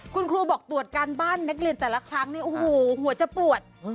คุณครูบอกตรวจการบ้านนักเรียนแต่ละครั้งเนี่ยโอ้โหหัวจะปวด